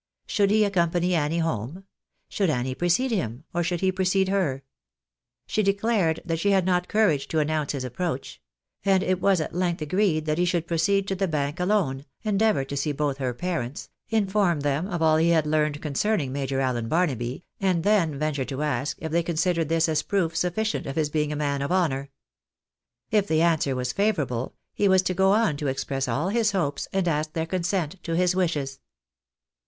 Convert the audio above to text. Should he accompany Annie home ? Should Annie precede him, or should he precede her ? She declared that she had not courage to announce his approach ; and it was at length agreed that he should proceed to the Bank alone, endeavour to see both her parents, inform them of all he had learned concerning Major Allen Barnaby, and then venture to ask if they considered tliis as proof sufficient of his being a man of honour. If the answer was favourable, he was to go on to express all his hopes, and ask their consent to his wishes.